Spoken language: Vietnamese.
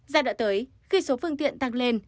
giai đoạn tới khi số phương tiện tăng lên